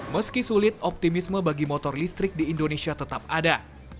meski sulit optimisme bagi motor listrik di indonesia tetap ada